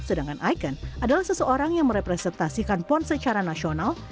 sedangkan icon adalah seseorang yang merepresentasikan pon secara nasional